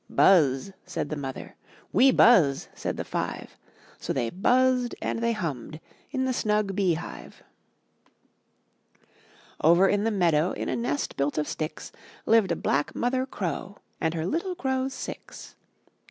Buzz,'' said the mother; ^ "We buzz," said the five; y^ So they buzzed and they hummed In the snug bee hive. 65 MY BOOK HOUSE Over in the meadow, In a nest built of sticks, Lived a black mother crow And her little crows six.